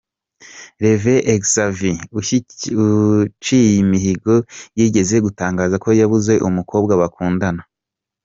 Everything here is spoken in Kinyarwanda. Rev Xavier Uciyimihigo yigeze gutangaza ko yabuze umukobwa bakundana.